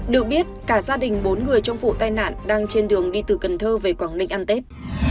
được biết cả gia đình bốn người trong vụ tai nạn đang trên đường đi từ cần thơ về quảng ninh ăn tết